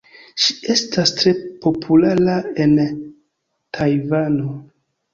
Ŝi estas tre populara en Tajvano.